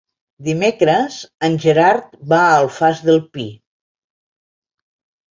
Dimecres en Gerard va a l'Alfàs del Pi.